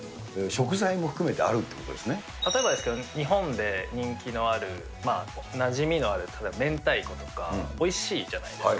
食材も含めてあるということ例えばですけど、日本で人気のある、なじみのある例えば、明太子とか、おいしいじゃないですか。